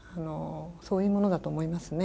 そういうものだと思いますね。